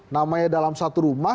namanya dalam satu rumah